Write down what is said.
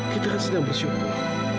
kita kan sedang bersyukur